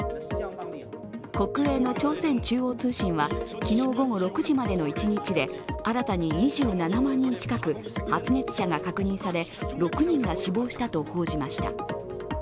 国営の朝鮮中央通信は昨日午後６時までの１日で新たに２７万人近く、発熱者が確認され６人が死亡したと報じました。